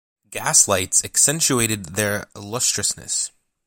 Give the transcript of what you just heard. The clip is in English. Gaslights accentuated their lustrousness.